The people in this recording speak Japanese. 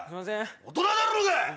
大人だろうが！